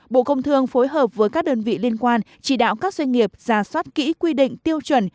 bộ công thương phối hợp với các đơn vị liên quan chỉ đạo các doanh nghiệp ra soát kỹ quy định tiêu chuẩn